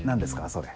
それ。